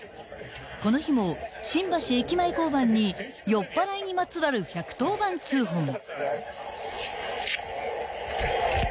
［この日も新橋駅前交番に酔っぱらいにまつわる１１０番通報が］